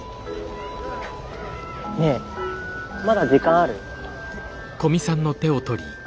ねぇまだ時間ある？